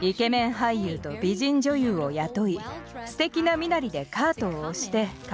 俳優と美人女優を雇いすてきな身なりでカートを押して買い物させたんです。